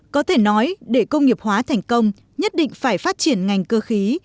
có thể nói để công nghiệp hóa thành công nhất định phải phát triển ngành cơ khí